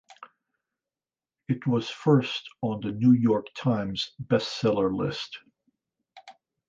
It was first on the "New York Times" Best Seller list.